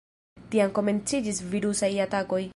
Tiam komenciĝis virusaj atakoj.